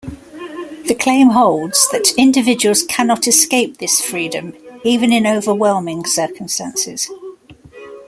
The claim holds that individuals cannot escape this freedom, even in overwhelming circumstances.